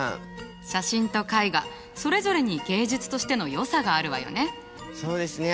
写真と絵画それぞれに芸術としてのよさがあるわよね。